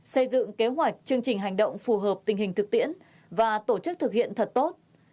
xây dựng kế hoạch chương trình hành động phù hợp tình hình thực tiễn và tổ chức thực hiện thật tốt